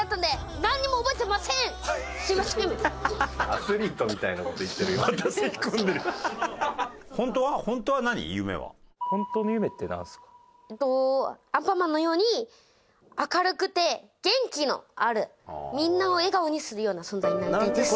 アンパンマンのように明るくて元気のあるみんなを笑顔にするような存在になりたいです。